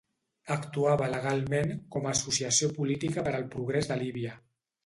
Actuava legalment com a Associació Política per al Progrés de Líbia.